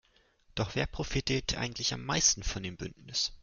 Doch wer profitiert eigentlich am meisten von dem Bündnis?